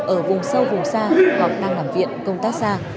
ở vùng sâu vùng xa hoặc đang nằm viện công tác xa